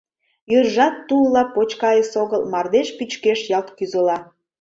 Йӱржат тулла почка эсогыл, мардеж пӱчкеш ялт кӱзыла.